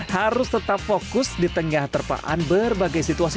harus tetap fokus di tengah terpaan berbagai situasi